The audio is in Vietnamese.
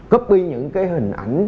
copy những cái hình ảnh